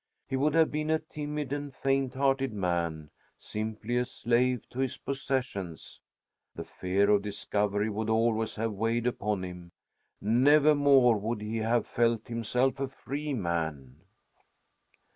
He would have been a timid and faint hearted man; simply a slave to his possessions. The fear of discovery would always have weighed upon him. Nevermore would he have felt himself a free man.